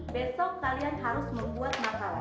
besok kalian harus membuat makanan